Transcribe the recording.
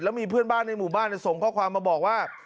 มีเพื่อนบ้านในหมู่บ้านส่งข้อความมาบอกว่า